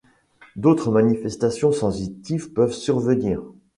D'autres manifestations sensitives peuvent survenir.